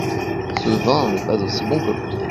Ce vin n’est pas aussi bon que l’autre.